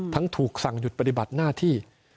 ถูกสั่งหยุดปฏิบัติหน้าที่